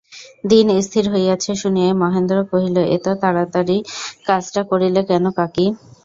দিন স্থির হইয়াছে শুনিয়াই মহেন্দ্র কহিল, এত তাড়াতাড়ি কাজটা করিলে কেন কাকী।